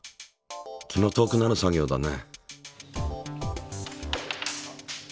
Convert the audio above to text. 気の遠くなる作業だね。